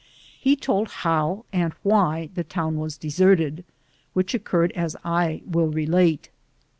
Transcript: He told how and why that town was deserted, which oc curred as I will relate.